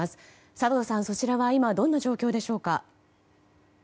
佐藤さん、そちらは今どんな状況でしょうか。